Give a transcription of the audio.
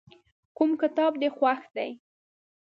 کوم کتاب دې خوښ دی.